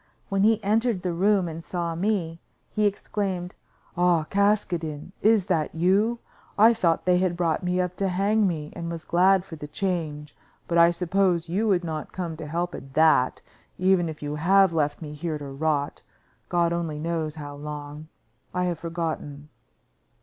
When he entered the room and saw me, he exclaimed: "Ah! Caskoden, is that you? I thought they had brought me up to hang me, and was glad for the change; but I suppose you would not come to help at that, even if you have left me here to rot; God only knows how long; I have forgotten."